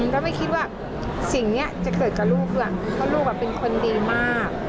ก็ไม่คิดว่าสิ่งนี้จะเกิดกับลูกเพราะลูกเป็นคนดีมาก